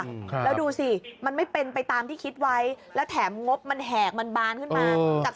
ครับแล้วดูสิมันไม่เป็นไปตามที่คิดไว้แล้วแถมงบมันแหกมันบานขึ้นมาจาก